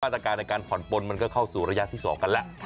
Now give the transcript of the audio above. ตรการในการผ่อนปนมันก็เข้าสู่ระยะที่๒กันแล้ว